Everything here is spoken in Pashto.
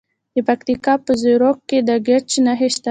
د پکتیکا په زیروک کې د ګچ نښې شته.